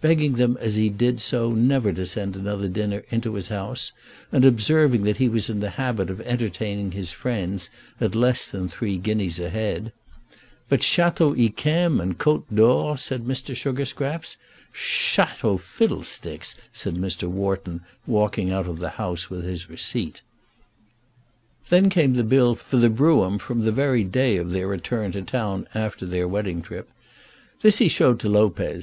begging them as he did so never to send another dinner into his house, and observing that he was in the habit of entertaining his friends at less than three guineas a head. "But Château Yquem and Côte d'Or!" said Mr. Sugarscraps. "Château fiddlesticks!" said Mr. Wharton, walking out of the house with his receipt. Then came the bill for the brougham, for the brougham from the very day of their return to town after their wedding trip. This he showed to Lopez.